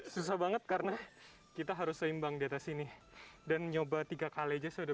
susah banget karena kita harus seimbang di atas ini dan nyoba tiga kali aja udah